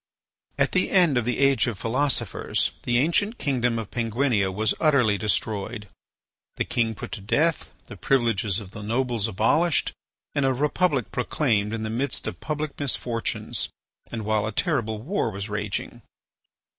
At the end of the age of philosophers, the ancient kingdom of Penguinia was utterly destroyed, the king put to death, the privileges of the nobles abolished, and a Republic proclaimed in the midst of public misfortunes and while a terrible war was raging.